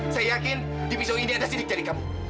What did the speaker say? saya yakin di pisau ini ada sidik jari kamu